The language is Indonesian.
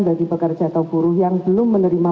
dari pekerja atau buruh yang belum menerima